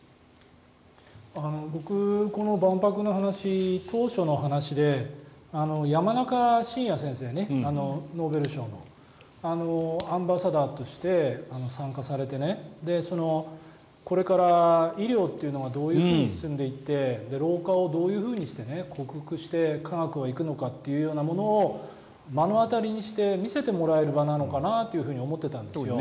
僕、この万博の話当初の話で山中伸弥先生ねノーベル賞の。アンバサダーとして参加されてこれから医療というのがどういうふうに進んでいって老化をどういうふうに克服して科学は行くのかというものを目の当たりにして見せてもらえる場なのかなって思っていたんですよね。